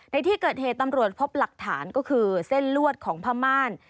ในที่เกิดเหตุตำรวจพบหลักฐานก็คือเส้นลวดของพม่าน